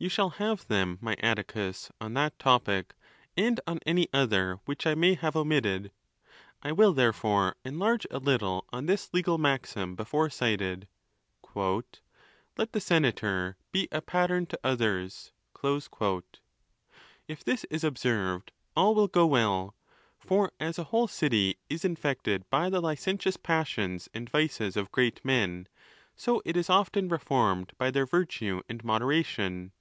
—You shall have them, my Atticus, on that topic, and on any other which I may have omitted. I will there fore enlarge a little on this legal maxim before cited, " Let the ae Pee ee ton ON THE LAWS. ATS senator be a pattern to others." If this is observed, all will go well. For as a whole city is infected by the licentious passions and vices of great men, so it is often reformed by their virtue and moderation.